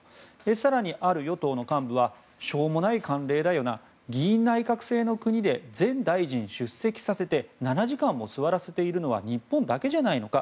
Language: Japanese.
更に、ある与党の幹部はしょうもない慣例だよな議院内閣制の国で全大臣出席させて７時間も座らせているのは日本だけじゃないのか？